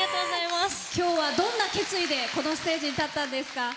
今日は、どんな決意でこのステージに立ったんですか？